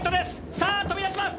さあ飛び出します！